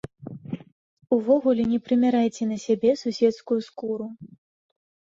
Увогуле, не прымярайце на сябе суседскую скуру.